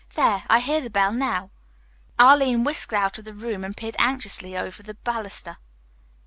"There, I hear the bell now." Arline whisked out of the room and peered anxiously over the baluster.